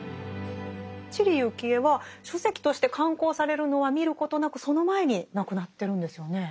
知里幸恵は書籍として刊行されるのは見ることなくその前に亡くなってるんですよね。